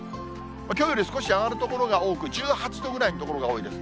きょうより少し上がる所が多く、１８度ぐらいの所が多いです。